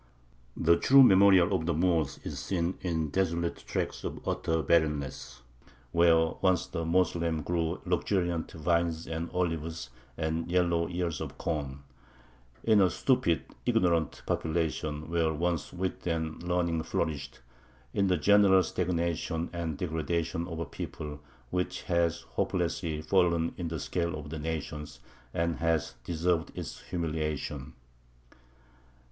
The true memorial of the Moors is seen in desolate tracts of utter barrenness, where once the Moslem grew luxuriant vines and olives and yellow ears of corn; in a stupid, ignorant population where once wit and learning flourished; in the general stagnation and degradation of a people which has hopelessly fallen in the scale of the nations, and has deserved its humiliation.